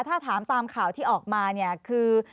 ถ้าถามตามข่าวที่ออกมาเนี่ยคือ